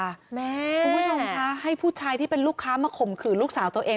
คุณผู้ชมคะให้ผู้ชายที่เป็นลูกค้ามาข่มขืนลูกสาวตัวเอง